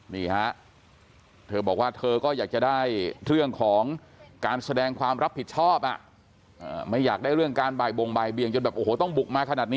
นี่ฮะเธอบอกว่าเธอก็อยากจะได้เรื่องของการแสดงความรับผิดชอบไม่อยากได้เรื่องการบ่ายบงบ่ายเบียงจนแบบโอ้โหต้องบุกมาขนาดนี้